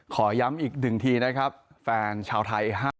ขอย้ำอีกหนึ่งทีนะครับแฟนชาวไทย